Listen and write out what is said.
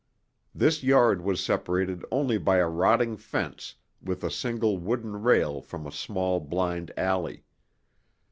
This yard was separated only by a rotting fence with a single wooden rail from a small blind alley.